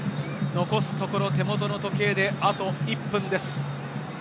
残すところ手元の時計であと１分です。